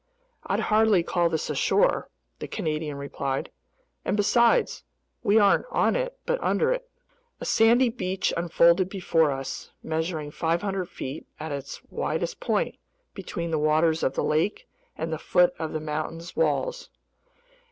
"I'd hardly call this shore," the Canadian replied. "And besides, we aren't on it but under it." A sandy beach unfolded before us, measuring 500 feet at its widest point between the waters of the lake and the foot of the mountain's walls.